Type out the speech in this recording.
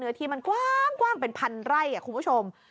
ที่มันกว้างเป็นพันไร่คุณผู้ชม